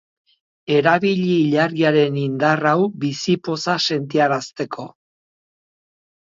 Erabili ilargiaren indar hau bizi poza sentiarazteko.